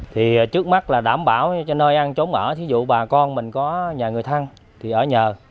thì trước mắt là đảm bảo cho nơi ăn trốn ở thí dụ bà con mình có nhà người thăng thì ở nhờ